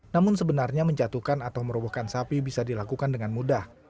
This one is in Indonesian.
namun sebenarnya menjatuhkan atau merobohkan sapi bisa dilakukan dengan mudah